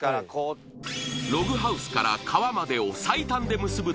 ログハウスから川までを最短で結ぶ